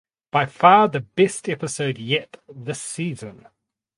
By far the best episode yet this season.